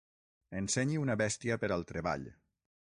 Ensenyi una bèstia per al treball.